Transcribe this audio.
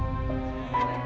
ini temennya dikau